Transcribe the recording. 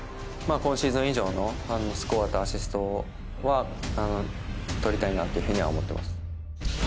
今シーズン以上のスコアとアシストは取りたいなっていうふうには思ってます